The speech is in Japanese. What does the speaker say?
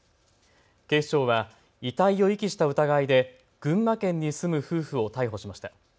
警視庁は遺体を遺棄した疑いで群馬県に住む夫婦を逮捕しました。